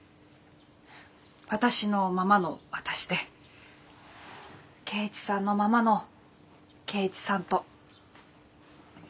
私のままの私で圭一さんのままの圭一さんと。